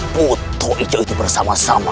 buto hijo bersama sama